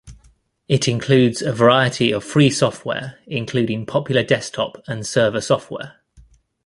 It includes a variety of free software, including popular desktop and server software.